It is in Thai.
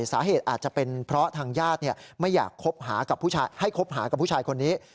สาเหตุอาจจะเป็นเพราะทางญาติไม่อยากคบหากับให้คบหากับผู้ชายคนนี้